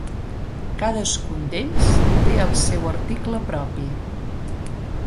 Cadascun d'ells té el seu article propi.